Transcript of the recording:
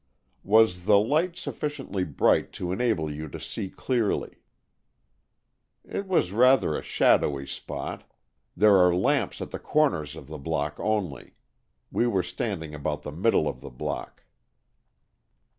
"Was the light sufficiently bright to enable you to see clearly?" "It was rather a shadowy spot. There are lamps at the corners of the block only. We were standing about the middle of the block."